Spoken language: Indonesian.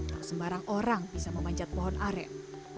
tak sembarang orang bisa memanjat pohon aren